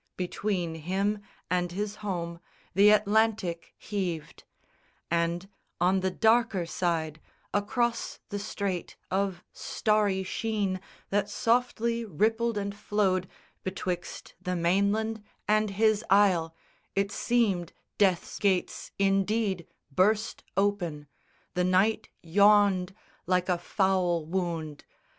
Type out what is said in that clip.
Between him and his home the Atlantic heaved; And, on the darker side, across the strait Of starry sheen that softly rippled and flowed Betwixt the mainland and his isle, it seemed Death's Gates indeed burst open. The night yawned Like a foul wound.